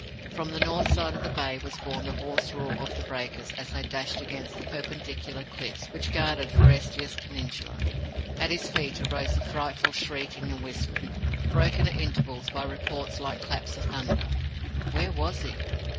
From the north side of the bay was borne the hoarse roar of the breakers as they dashed against the perpendicular cliffs which guarded Forrestier's Peninsula. At his feet arose a frightful shrieking and whistling, broken at intervals by reports like claps of thunder. Where was he?